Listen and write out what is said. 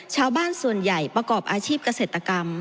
ชาวบ้านส่วนใหญ่ประกอบอาชีพเกษตรกรรม